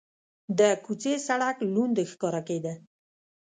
د کوڅې سړک لوند ښکاره کېده.